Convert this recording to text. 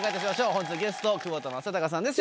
本日のゲスト窪田正孝さんです